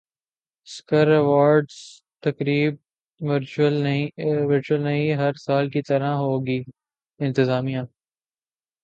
سکر awards تقریب virtual نہیں ہر سال کی طرح ہوگی انتظامیہ